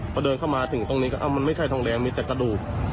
พอเดินเข้ามาถึงตรงนี้ก็มันไม่ใช่ทองแดงมีแต่กระดูก